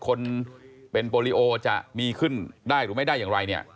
คนเป็นโปรลิโอจะมีขึ้นได้หรือไม่ได้อย่างไรเนี่ย